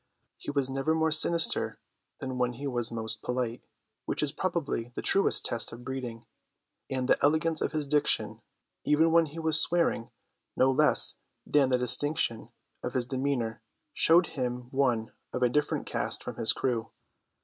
He was never more sinister than when he was most polite, which is probably the truest test of breeding; and the elegance of his diction, even when he was swearing, no less than the distinction of his demeanour, showed him one of a different cast from his crew.